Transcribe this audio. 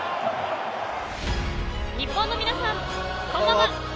日本の皆さん、こんばんは。